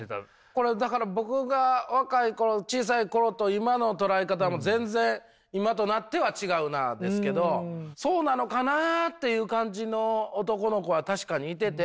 これだから僕が若い頃小さい頃と今の捉え方も全然今となっては違うなですけどそうなのかなという感じの男の子は確かにいてて。